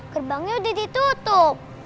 gerbangnya udah ditutup